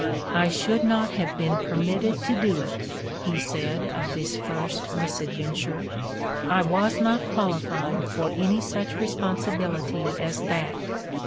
"I should not have been permitted to do it," he said of this first misadventure. '' I was not qualified for any such responsibility as that.